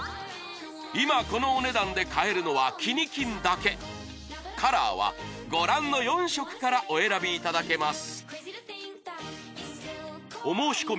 今このお値段で買えるのは「キニ金」だけカラーはご覧の４色からお選びいただけます